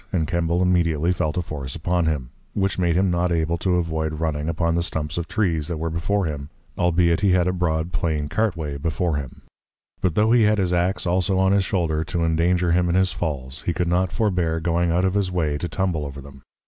and Kembal immediately felt a force upon him, which made him not able to avoid running upon the stumps of Trees, that were before him, albeit he had a broad, plain Cart way, before him; but tho' he had his Ax also on his Shoulder to endanger him in his Falls, he could not forbear going out of his way to tumble over them.